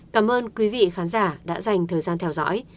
cảm ơn quý vị khán giả đã dành thời gian theo dõi